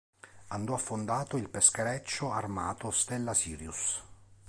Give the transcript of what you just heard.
Andò affondato il peschereccio armato "Stella Sirius".